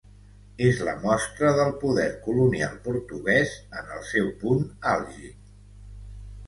És la mostra del poder colonial portuguès en el seu punt àlgid.